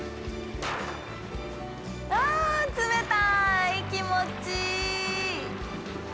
あ冷たい気持ちいい！